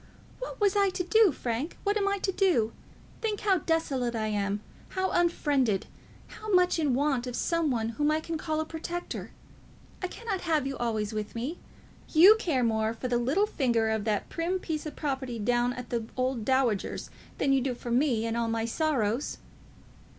"What was I to do, Frank? What am I to do? Think how desolate I am, how unfriended, how much in want of some one whom I can call a protector! I cannot have you always with me. You care more for the little finger of that prim piece of propriety down at the old dowager's than you do for me and all my sorrows."